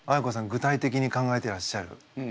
具体的に考えてらっしゃる。